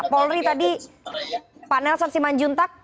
polri tadi pak nelson siman juntak